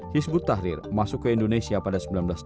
hizbut tahrir masuk ke indonesia pada seribu sembilan ratus delapan puluh